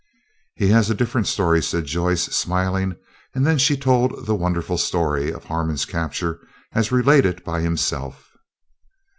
"He has a different story," said Joyce, smiling; and then she told the wonderful story of Harmon's capture as related by himself.